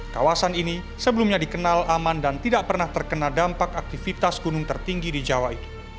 kawasan ini sebelumnya dikenal aman dan tidak pernah terkena dampak aktivitas gunung tertinggi di jawa itu